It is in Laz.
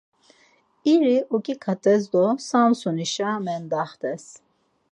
İri oǩiǩates do Samsonişa mendaxtes.